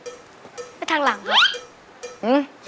ไปทางหลังครับ